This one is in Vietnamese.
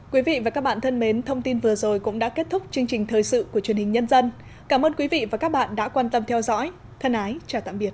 quý vị và các bạn thân mến thông tin vừa rồi cũng đã kết thúc chương trình thời sự của truyền hình nhân dân cảm ơn quý vị và các bạn đã quan tâm theo dõi thân ái chào tạm biệt